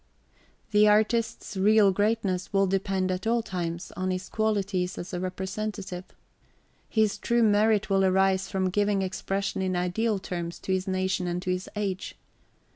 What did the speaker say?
The artist's real greatness will depend at all times on his qualities as a representative. His true merit will arise from giving expression in ideal terms to his nation and to his age.